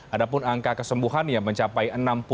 ada pun angka kesembuhan yang mencapai enam puluh